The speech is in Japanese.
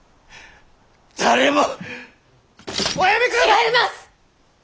違います！